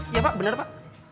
iya pak bener pak